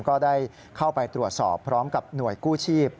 ก็ได้เข้าไปตรวจสอบพร้อมกับหน่วยกู้ชีพ